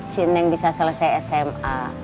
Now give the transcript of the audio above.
si neng bisa selesai sma